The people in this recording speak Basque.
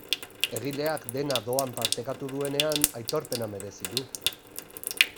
Egileak dena doan partekatu duenean aitorpena merezi du.